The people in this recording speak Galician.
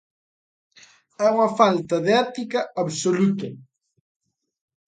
É unha falta de ética absoluta.